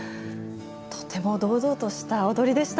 とても堂々とした踊りでしたね！